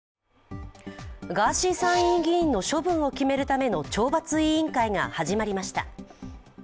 ガーシー参院議員の処分を決めるための懲罰委員会が始まりました。